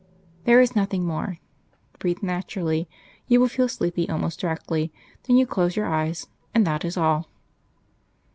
"There is nothing more. Breathe naturally. You will feel sleepy almost directly. Then you close your eyes, and that is all."